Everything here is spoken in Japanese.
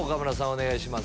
お願いします。